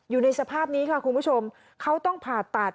อยู่ในสภาพนี้ค่ะคุณผู้ชมเขาต้องผ่าตัด